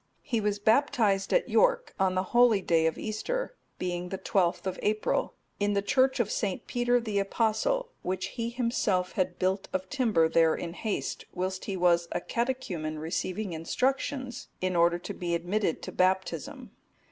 He was baptized at York, on the holy day of Easter,(233) being the 12th of April, in the church of St. Peter the Apostle, which he himself had built of timber there in haste, whilst he was a catechumen receiving instruction in order to be admitted to baptism.